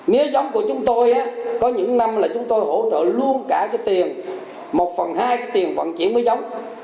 mía giống của chúng tôi có những năm là chúng tôi hỗ trợ luôn cả cái tiền một phần hai cái tiền vận chuyển mới giống